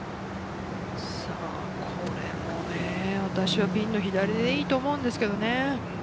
これもね、私はピンの左でいいと思うんですけどね。